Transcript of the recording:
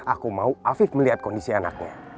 aku mau afif melihat kondisi anaknya